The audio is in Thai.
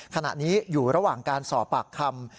ขณะนี้อยู่ระหว่างการสอบปากคำ